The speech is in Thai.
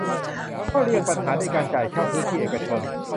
ก็เลี่ยงปัญหาด้วยการจ่ายเช่าพื้นที่เอกชน